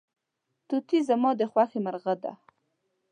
توتي زما د خوښې مرغه دی.